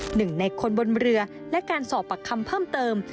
หนึ่งในคนบนเรือและการสอบปากคำเพิ่มเติม